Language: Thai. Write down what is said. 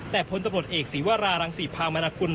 แต่พลตำรวจเอกศีวรารังศรีพาวมนากุล